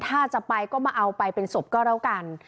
ถ้าจะไปก็มาเอาไปเป็นศพก็แล้วกัน